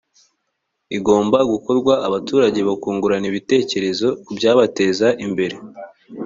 igomba gukorwa abaturage bakungurana ibitekerezo ku byabateza imbere